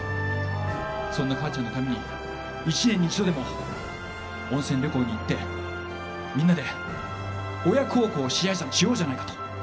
そんな母ちゃんのために１年に一度でも温泉旅行に行って、みんなで親孝行しようじゃないかと。